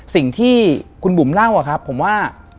สิ่งที่คุณบุ๋มเล่าครับผมว่า